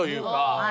はい。